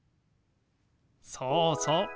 そうそう。